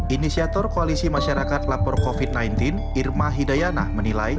inisiator koalisi masyarakat lapor covid sembilan belas irma hidayana menilai